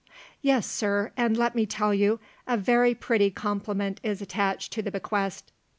"Yes, sir and let me tell you, a very pretty compliment is attached to the bequest.